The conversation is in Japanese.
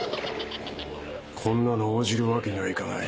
こんなの応じるわけにはいかない。